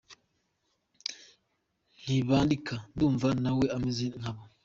Ntibandika: Ndumva na we ameze nkabo.